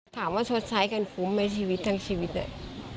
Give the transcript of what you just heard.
ถามว่าชดใช้กันภูมิไหมชีวิตทั้งชีวิตน่ะ